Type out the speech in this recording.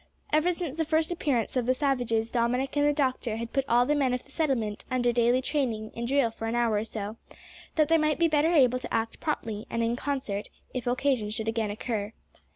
Ever since the first appearance of the savages Dominick and the doctor had put all the men of the settlement under daily training in drill for an hour or so, that they might be better able to act promptly and in concert if occasion should again occur.